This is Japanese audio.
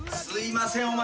すいません。